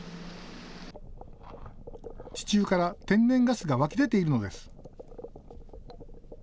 地中から天然ガスが湧き出ているのです。